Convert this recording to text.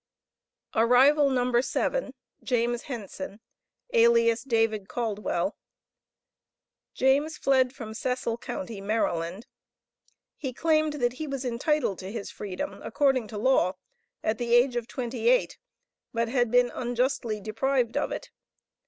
Arrival No. 7. James Henson, alias David Caldwell. James fled from Cecil Co., Md. He claimed that he was entitled to his freedom according to law at the age of twenty eight, but had been unjustly deprived of it.